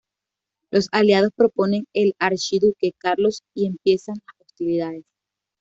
Los aliados proponen el Archiduque Carlos y empiezan las hostilidades.